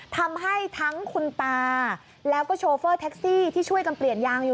ทำให้ทั้งคุณตาแล้วก็โชเฟอร์แท็กซี่ที่ช่วยกันเปลี่ยนยางอยู่